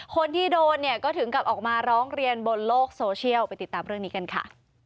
คนที่โดนเนี่ยก็ถึงกับออกมาร้องเรียนบนโลกโซเชียลไปติดตามเรื่องนี้กันค่ะ